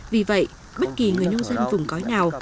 vì vậy bất kỳ người nông dân vùng cói nào